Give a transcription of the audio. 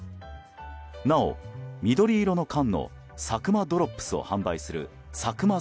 なお、緑色の缶のサクマドロップスを販売するサクマ